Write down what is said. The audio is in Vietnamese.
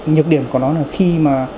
nhược điểm của nó là khi mà